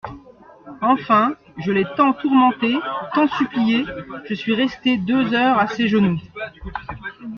Enfin je l'ai tant tourmenté, tant supplié, je suis restée deux heures à ses genoux.